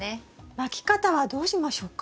まき方はどうしましょうか？